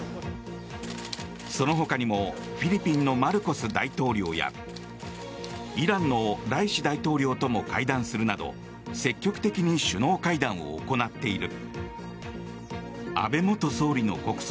その他にも、フィリピンのマルコス大統領やイランのライシ大統領とも会談するなど積極的に首脳会談を行っている。